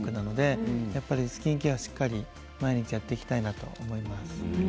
やっぱりスキンケアをしっかり毎日やっていきたいなと思います。